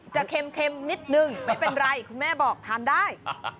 เค็มนิดนึงไม่เป็นไรคุณแม่บอกทานได้